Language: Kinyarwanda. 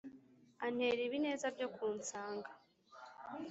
Antera ibineza byo kunsanga